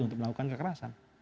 untuk melakukan kekerasan